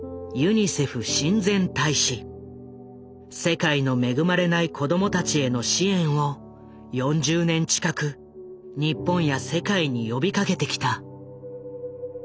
世界の恵まれない子供たちへの支援を４０年近く日本や世界に呼びかけてきた。